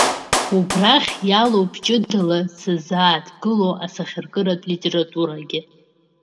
Убрахь иалоуп ҷыдала сыззааҭгыло асахьаркыратә литературагьы.